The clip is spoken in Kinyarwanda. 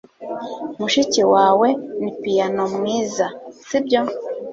Mushiki wawe ni piyano mwiza, sibyo?